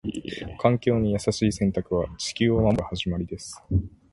環境に優しい選択は、地球を守る始まりです。